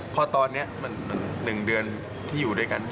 พอตอนนี้มัน๑เดือนที่อยู่ด้วยกัน